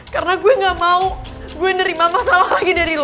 karena gue gak mau gue nerima masalah lagi dari lo